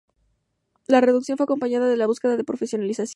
La reducción fue acompañada de la búsqueda de una profesionalización.